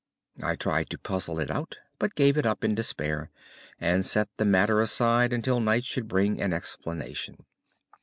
I tried to puzzle it out, but gave it up in despair and set the matter aside until night should bring an explanation.